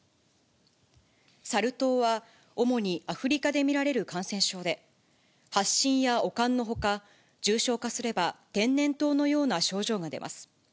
サル痘は、主にアフリカで見られる感染症で、発疹や悪寒のほか、重症化すれば、天然痘のような症状が出ます。